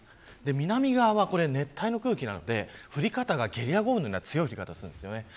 南側は熱帯の空気なので降り方がゲリラ豪雨のような強い降り方です。